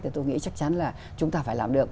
thì tôi nghĩ chắc chắn là chúng ta phải làm được